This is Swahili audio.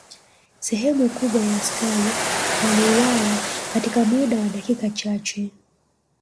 Sehemu kubwa ya askari waliuawa katika muda wa dakika chache